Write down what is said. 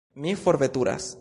Mi forveturas.